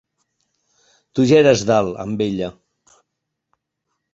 Tu ja eres dalt, amb ella.